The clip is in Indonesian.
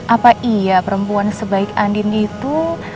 apa iya perempuan sebaik andin itu